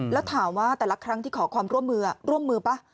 แล้วถามว่าแต่ละครั้งที่ขอความร่วมมือร่วมมือป่ะ